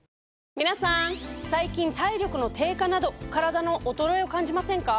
皆さん最近体力の低下などカラダの衰えを感じませんか？